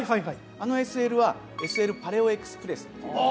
あのＳＬはＳＬパレオエクスプレスっていうあ